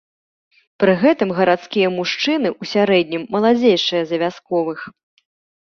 Пры гэтым гарадскія мужчыны ў сярэднім маладзейшыя за вясковых.